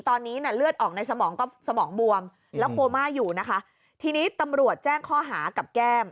ตอนนี้น่ะเลือดออกในสมองก็สมองบวมแล้วโคม่าอยู่นะคะทีนี้ตำรวจแจ้งข้อหากับแก้ม